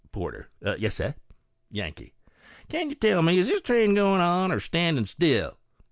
Porter. u Yes, sir, 1 ' Yankee. " Can you tell me, is this train going on or standing still?"